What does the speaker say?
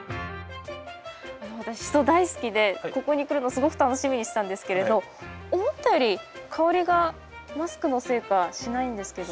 あの私シソ大好きでここに来るのすごく楽しみにしてたんですけれど思ったより香りがマスクのせいかしないんですけど。